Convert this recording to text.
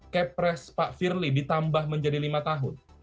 kepres pak firly ditambah menjadi lima tahun